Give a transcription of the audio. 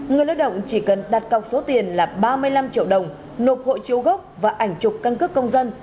người lao động chỉ cần đặt cộng số tiền là ba mươi năm triệu đồng nộp hội triệu gốc và ảnh trục căn cức công dân